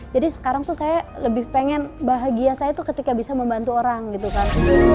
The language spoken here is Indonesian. jadi sekarang tuh saya lebih pengen bahagia saya tuh ketika bisa membantu orang gitu kan